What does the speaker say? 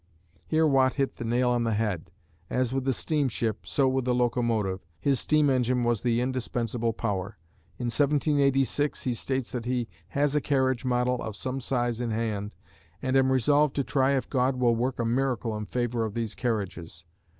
Here Watt hit the nail on the head; as with the steamship, so with the locomotive, his steam engine was the indispensable power. In 1786 he states that he has a carriage model of some size in hand "and am resolved to try if God will work a miracle in favor of these carriages."